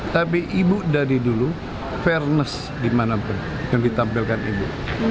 tapi ibu dari dulu fairness dimanapun yang ditampilkan ibu